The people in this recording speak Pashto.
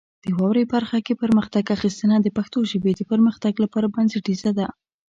د واورئ برخه کې برخه اخیستنه د پښتو ژبې د پرمختګ لپاره بنسټیزه ده.